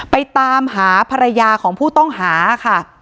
ไปตามหาภรรยาของผู้ต้องหาค่ะ